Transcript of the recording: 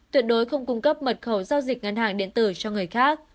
tuyệt đối không cung cấp mật khẩu giao dịch ngân hàng điện tử cho người khác